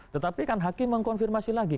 tetapi kan hakim mengkonfirmasi lagi